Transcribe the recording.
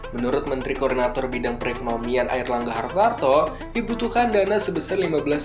menurut menteri koordinator bidang perekonomian ayat langga hartarto dibutuhkan dana sebesar lima belas rupiah untuk per satu anak